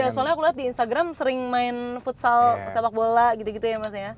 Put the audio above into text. soalnya aku lihat di instagram sering main futsal sepak bola gitu gitu ya mas ya